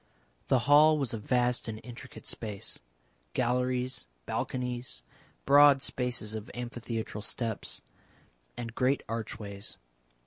The hall was a vast and intricate space galleries, balconies, broad spaces of amphitheatral steps, and great archways.